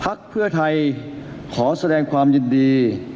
เพื่อไทยขอแสดงความยินดี